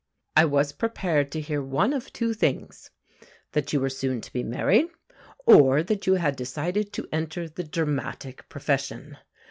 I was prepared to hear one of two things that you were soon to be married, or that you had decided to enter the dramatic profession.